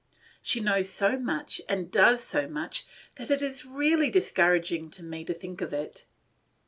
She knows so much, and does so much, that it is really discouraging to me to think of it.